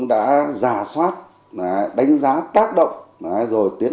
đã giả soát đánh giá tác động rồi tiến